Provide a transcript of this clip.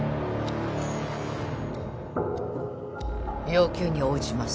要求に応じます。